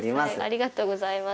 ありがとうございます。